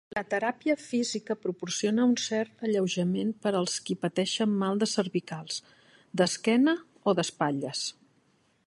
La teràpia física proporciona un cert alleujament per als qui pateixen mal de cervicals, d'esquena o d'espatlles.